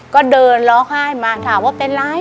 ก็เดินร้องไห้มาถามว่าเป็นไร